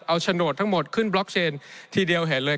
เอาโฉนดทั้งหมดขึ้นบล็อกเชนทีเดียวเห็นเลย